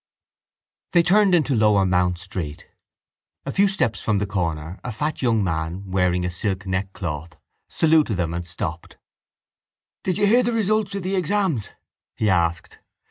They turned into Lower Mount Street. A few steps from the corner a fat young man, wearing a silk neckcloth, saluted them and stopped. —Did you hear the results of the exams? he asked.